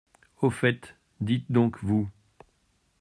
Au fait, dites donc, vous…